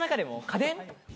家電？